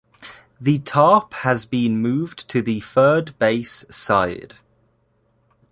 The tarp has been moved to the third-base side.